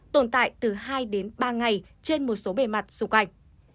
tồn tại từ hai đến ba ngày trên một số bề mặt xung quanh